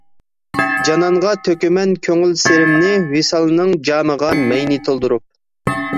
جانانغا تۆكىمەن كۆڭۈل سىرىمنى، ۋىسالنىڭ جامىغا مەينى تولدۇرۇپ.